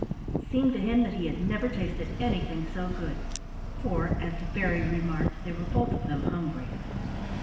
It seemed to him that he had never tasted anything so good, for, as the fairy remarked, they were both of them hungry.